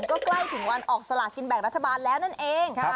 ก็ใกล้ถึงวันออกสลากินแบ่งรัฐบาลแล้วนั่นเอง